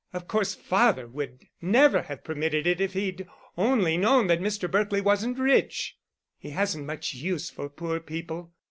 Of course, father would never have permitted it if he'd only known that Mr. Berkely wasn't rich. He hasn't much use for poor people.